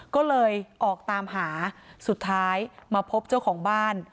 ก็เลยออกตามหาสุดท้ายมาพบเจ้าของบ้าน